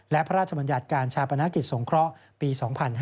และพระราชบัญญัติการชาปนกิจสงเคราะห์ปี๒๕๕๙